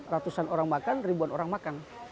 ratusan orang makan ribuan orang makan